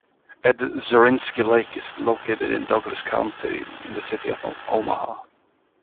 Ed Zorinsky Lake is located in Douglas County, in the City of Omaha.